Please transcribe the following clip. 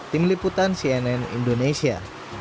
tim liputan cnn indonesia